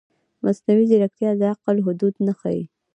مصنوعي ځیرکتیا د عقل حدونه ښيي.